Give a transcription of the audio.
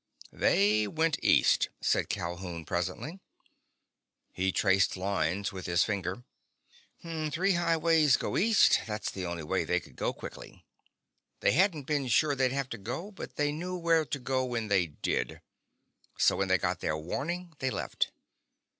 "They went east," said Calhoun presently. He traced lines with his finger. "Three highways go east; that's the only way they could go quickly. They hadn't been sure they'd have to go but they knew where to go when they did. So when they got their warning, they left.